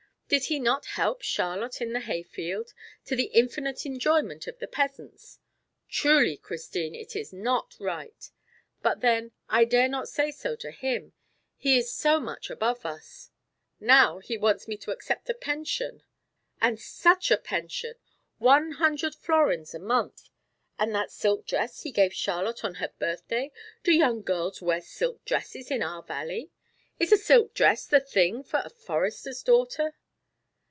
Did he not help Charlotte in the hay field, to the infinite enjoyment of the peasants? Truly, Christine, it is not right; but then I dare not say so to him, he is so much above us. Now he wants me to accept a pension and such a pension one hundred florins a month. And that silk dress he gave Charlotte on her birthday. Do young girls wear silk dresses in our valley? Is a silk dress the thing for a forester's daughter?"